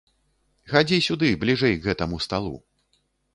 Хадзі сюды бліжэй к гэтаму сталу.